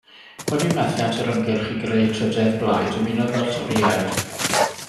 Wedi methiant yr ymgyrch i greu trydedd blaid ymunodd â'r Torïaid.